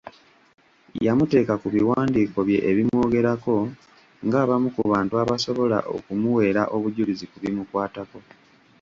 Yamuteeka ku biwandiiko bye ebimwogerako ng'abamu ku bantu abasobola okumuweera obujulizi ku bimukwatako.